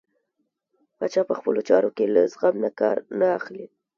پاچا په خپلو چارو کې له زغم نه کار نه اخلي .